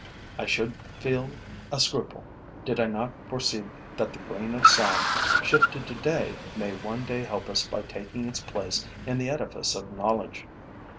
I should feel a scruple, did I not foresee that the grain of sand shifted today may one day help us by taking its place in the edifice of knowledge.